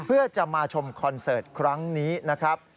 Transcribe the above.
เพื่อจะมาชมคอนเสิร์ตครั้งนี้นะครับ